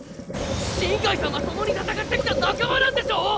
新開さんは共に闘ってきた仲間なんでしょォ！